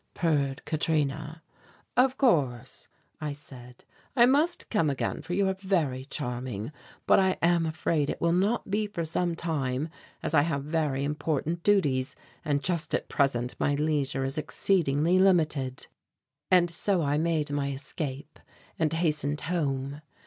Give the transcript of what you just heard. purred Katrina. "Of course," I said, "I must come again, for you are very charming, but I am afraid it will not be for some time as I have very important duties and just at present my leisure is exceedingly limited." And so I made my escape, and hastened home.